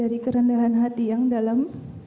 dari kerendahan hati yang dalam